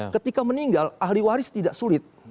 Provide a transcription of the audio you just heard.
ketika meninggal ahli waris tidak sulit